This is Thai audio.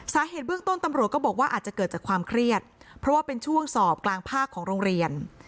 สาเหตุเบื้องต้นตำรวจก็บอกว่าอาจจะเกิดจากความเครียดเพราะว่าเป็นช่วงสอบกลางภาคของโรงเรียน